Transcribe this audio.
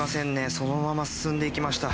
そのまま進んでいきました。